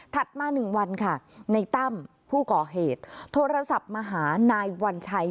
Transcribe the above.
มา๑วันค่ะในตั้มผู้ก่อเหตุโทรศัพท์มาหานายวัญชัย